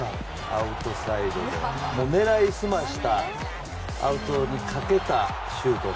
アウトサイドで狙い澄まして、アウトにかけたシュート。